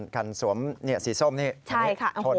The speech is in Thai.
คันสวมสีส้มนี่ชนมาก